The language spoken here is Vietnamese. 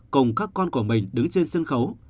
cùng các con của mình đứng trên sân khấu